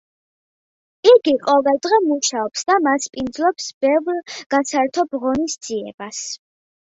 იგი ყოველდღე მუშაობს და მასპინძლობს ბევრ გასართობ ღონისძიებას.